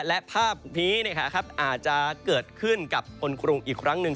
และภาพนี้เนี่ยครับอาจจะเกิดขึ้นกับคนกรุงอีกครั้งนึง